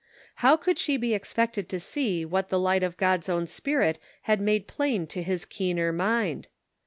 How could she be expected to see what the light of God's own Spirit had made plain to his keener mind